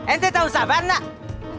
ente tau sabar enggak